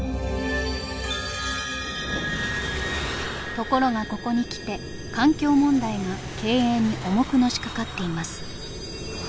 ところがここに来て環境問題が経営に重くのしかかっています。